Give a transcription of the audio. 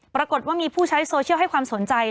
ปรากฏว่ามีผู้ใช้โซเชียลให้ความสนใจ